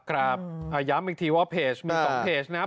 ครับย้ำอีกทีว่าเพจ๑๒เพจนะ